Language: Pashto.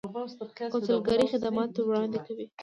کونسلګرۍ خدمات وړاندې کوي